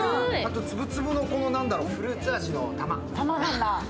粒々のフルーツ味の球。